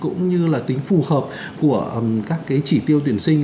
cũng như là tính phù hợp của các cái chỉ tiêu tuyển sinh